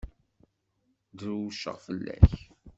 Drewceɣ fell-ak.